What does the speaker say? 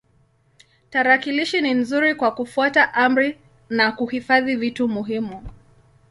Tarakilishi ni nzuri kwa kufuata amri na kuhifadhi vitu muhimu.